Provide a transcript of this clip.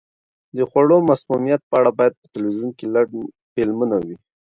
د خوړو مسمومیت په اړه باید په تلویزیون کې لنډ فلمونه وي.